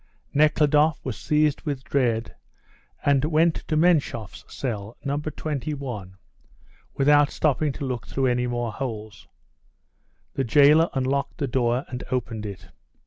Nekhludoff was seized with dread, and went to Menshoff's cell, No. 21, without stopping to look through any more holes. The jailer unlocked the door and opened it.